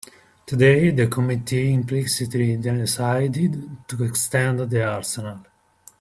Today the committee implicitly decided to extend the arsenal.